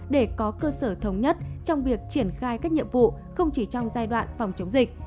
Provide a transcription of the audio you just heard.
để có cơ sở thống nhất trong việc triển khai các nhiệm vụ không chỉ trong giai đoạn phòng chống dịch